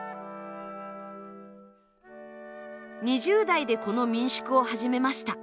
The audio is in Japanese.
２０代でこの民宿を始めました。